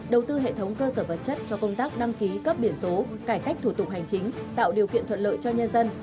đầu tư hệ thống cơ sở vật chất cho công tác đăng ký cấp biển số cải cách thủ tục hành chính tạo điều kiện thuận lợi cho nhân dân